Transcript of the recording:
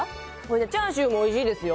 チャーシューもおいしいですよ。